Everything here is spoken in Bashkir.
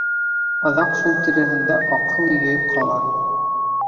Аҙаҡ шул тиреһендә аҡһыл йөй ҡала.